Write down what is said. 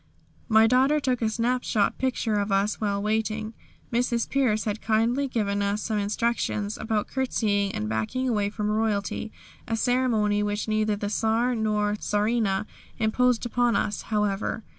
My daughter took a snapshot picture of us while waiting. Mrs. Pierce had kindly given us some instructions about curtseying and backing away from royalty, a ceremony which neither the Czar nor the Czarina imposed upon us, however.